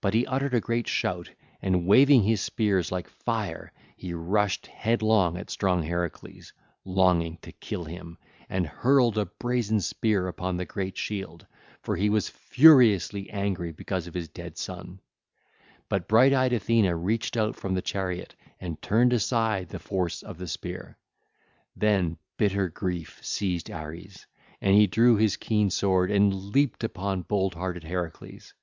But he uttered a great shout and waving his spears like fire, he rushed headlong at strong Heracles, longing to kill him, and hurled a brazen spear upon the great shield, for he was furiously angry because of his dead son; but bright eyed Athene reached out from the car and turned aside the force of the spear. Then bitter grief seized Ares and he drew his keen sword and leaped upon bold hearted Heracles.